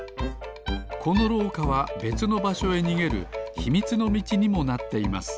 このろうかはべつのばしょへにげるひみつのみちにもなっています